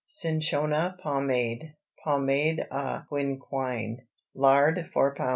CINCHONA POMADE (POMADE À QUINQUINE). Lard 4 lb.